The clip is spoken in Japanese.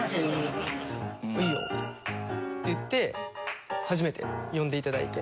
「いいよ！」って言って初めて呼んでいただいて。